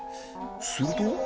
すると